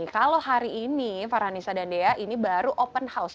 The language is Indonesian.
kalau hari ini farhanisa dan dea ini baru open house